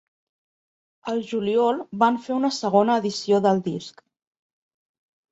Al juliol, van fer una segona edició del disc.